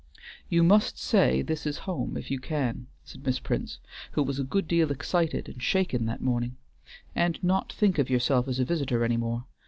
"You must say this is home, if you can," said Miss Prince, who was a good deal excited and shaken that morning, "and not think of yourself as a visitor any more.